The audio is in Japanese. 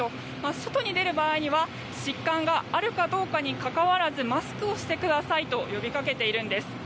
外に出る場合には疾患があるかどうかにかかわらずマスクをしてくださいと呼びかけているんです。